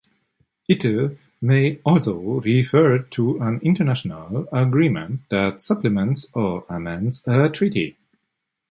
It may also refer to an international agreement that supplements or amends a treaty.